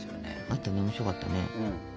あったね面白かったね。